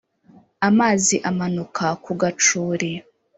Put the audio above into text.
Amazi amanuka ku gacuri